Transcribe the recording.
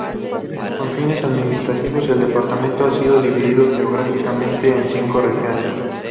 Con fines administrativos, el departamento ha sido dividido geográficamente en cinco regiones.